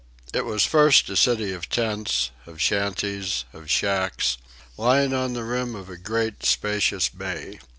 It was first a city of tents, of shanties, of "shacks," lying on the rim of a great, spacious bay.